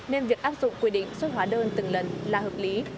nên việc áp dụng quy định xuất hóa đơn từng lần là hợp lý